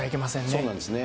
そうなんですね。